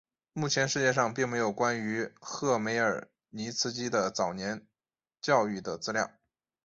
目前世界上并没有关于赫梅尔尼茨基的早年教育的资料。